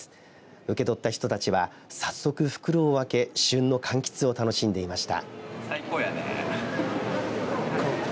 受け取った人たちは早速袋を開け旬のかんきつを楽しんでいました。